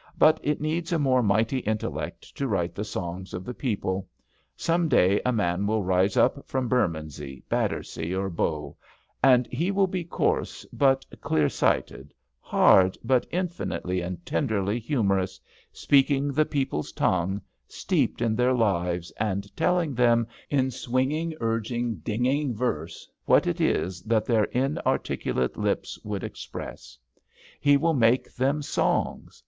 '' But it needs a more mighty intellect to write the Songs of the People. Some day a man will rise up from Bermondsey, Battersea or Bow, and he will be coarse, but clear sighted, hard but in finitely and tenderly humorous, speaking the people's tongue, steeped in their lives and telling them in swinging, urging, dinging verse what it is that their inarticulate lips would express. He will make them songs.